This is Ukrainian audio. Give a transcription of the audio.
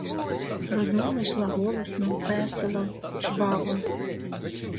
Розмова йшла голосно, весело, жваво.